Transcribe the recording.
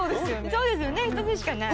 そうですよね一つしかない。